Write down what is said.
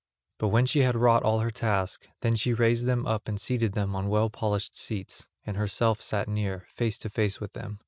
But when she had wrought all her task, then she raised them up and seated them on well polished seats, and herself sat near, face to face with them.